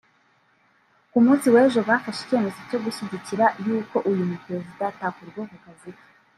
ku munsi w’ejo bafashe icyemezo cyo gushyigikira y’uko uyu mu Perezida adakurwa ku kazi ke